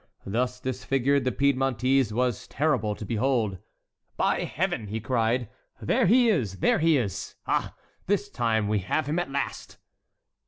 Thus disfigured, the Piedmontese was terrible to behold. "By Heaven!" he cried, "there he is! there he is! Ah! this time we have him at last!"